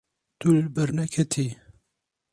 Tu li ber neketiyî.